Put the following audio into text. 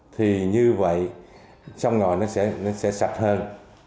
thì như vậy sông ngòi nó sẽ sạch hơn